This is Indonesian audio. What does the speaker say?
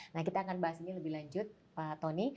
nah kita akan bahas ini lebih lanjut pak tony